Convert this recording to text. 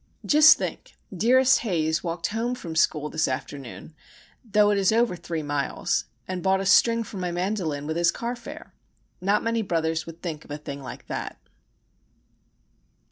Just think! dearest Haze walked home from school this afternoon,—though it is over three miles,—and bought a string for my mandolin with his car fare. Not many brothers would think of a thing like that.